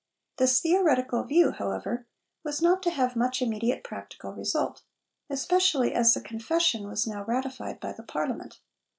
This theoretical view, however, was not to have much immediate practical result; especially as the Confession was now ratified by the Parliament.